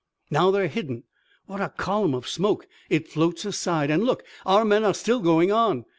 Now they're hidden! What a column of smoke! It floats aside, and, look, our men are still going on!